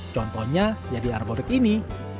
contohnya jadi arborek ini